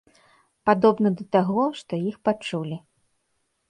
Падобна да таго, што іх пачулі.